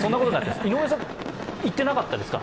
井上さん、行ってなかったですか？